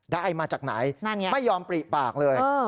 ได้มาจากไหนนั่นไงไม่ยอมปริปากเลย